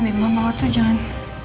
remit mama waktu itu jangan